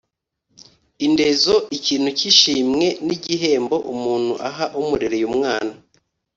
indezo: ikintu k’ishimwe, k’igihembo, umuntu aha uwamurereye umwana